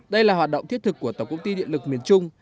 đây là hoạt động thiết thực của tổng công ty điện lực miền trung